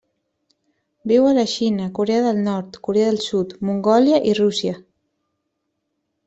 Viu a la Xina, Corea del Nord, Corea del Sud, Mongòlia i Rússia.